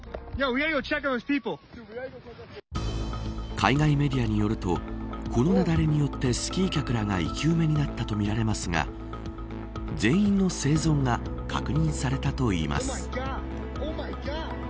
海外メディアによるとこの雪崩によってスキー客らが生き埋めになったとみられますが全員の生存が確認されたといいます。